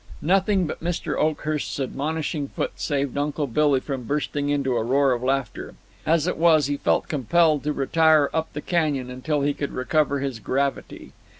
Nothing but Mr. Oakhurst's admonishing foot saved Uncle Billy from bursting into a roar of laughter. As it was, he felt compelled to retire up the canyon until he could recover his gravity.